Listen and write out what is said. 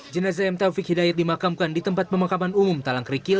jenazah m taufik hidayat dimakamkan di tempat pemakaman umum talang kerikil